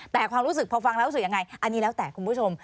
แต่ความรู้สึกพอฟังแล้วรู้สึกยังไงอันนี้แล้วแต่คุณผู้ชม